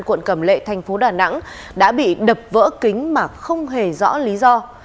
quận cầm lệ thành phố đà nẵng đã bị đập vỡ kính mà không hề rõ lý do